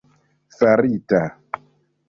farita